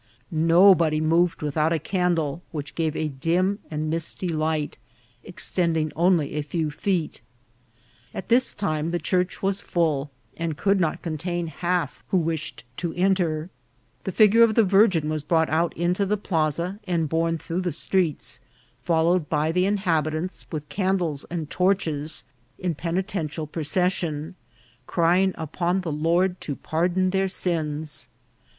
Nobody moved with out a candle, which gave a dim and misty light, ex tending only a few feet. At this time the church was full, and could not contain half who wished to enter The figure of the Virgin was brought out into the plaza and borne through the streets, followed by the inhabi tants, with candles and torches, in penitential proces sion, crying upon the Lord to pardon their sins.